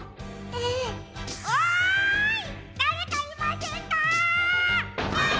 おい！